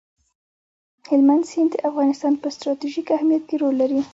هلمند سیند د افغانستان په ستراتیژیک اهمیت کې رول لري.